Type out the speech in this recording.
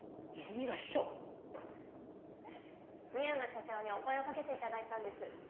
深山社長にお声を掛けていただいたんです。